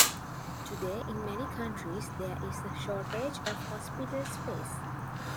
Today in many countries there is a shortage of hospital space.